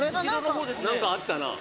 何かあったな。